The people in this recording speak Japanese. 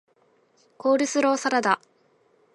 コールスローサラダ